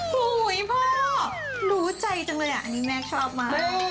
หูยพ่อรู้ใจจังเลยอ่ะอันนี้แม่ชอบมาก